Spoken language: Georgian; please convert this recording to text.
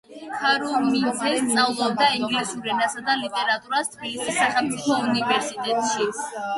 ქარუმიძე სწავლობდა ინგლისურ ენასა და ლიტერატურას, თბილისის სახელმწიფო უნივერსიტეტში.